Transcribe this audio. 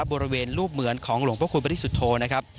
บริเวณรูปเหมือนของหลวงพระคุณบริสุทธโธนะครับ